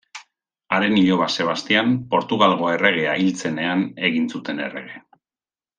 Haren iloba Sebastian Portugalgo erregea hil zenean egin zuten errege.